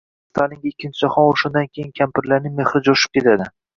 Ayniqsa, Stalinga ikkinchi jahon urushidan keyin kampirlarning mehri jo’shib ketadi.